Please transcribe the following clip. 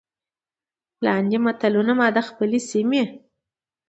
لاندې متلونه ما د خپلې سيمې